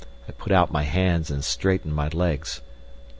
I put out my hands and straightened my legs.